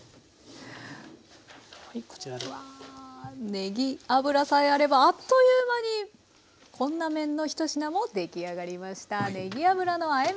ねぎ油さえあればあっという間にこんな麺の１品も出来上がりました。